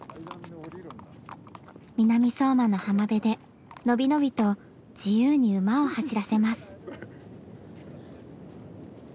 南相馬の浜辺で伸び伸びと自由に馬を走らせます。